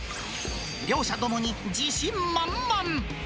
両者ともに自信満々。